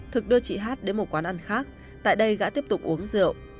thực đưa chị hát đến một quán ăn khác tại đây đã tiếp tục uống rượu